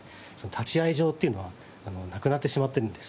立会場っていうのはなくなってしまってるんです。